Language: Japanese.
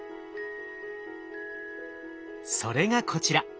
それがこちら。